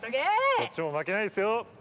こっちもまけないですよ。